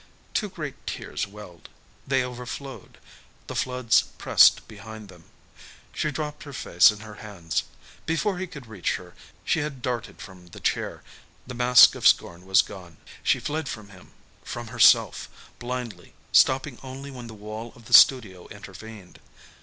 Two great tears welled. They overflowed. The floods pressed behind them. She dropped her face in her hands. Before he could reach her she had darted from the chair. The mask of scorn was gone. She fled from him, from herself, blindly, stopping only when the wall of the studio intervened.